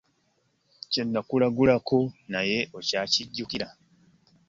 Kye nakulagulako naye okyakijjukira?